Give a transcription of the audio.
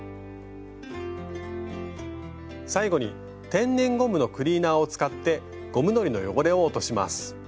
最後に天然ゴムのクリーナーを使ってゴムのりの汚れを落とします。